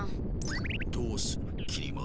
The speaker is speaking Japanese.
どうするきり丸。